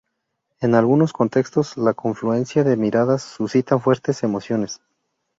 En algunos contextos, la confluencia de miradas suscitan fuertes emociones.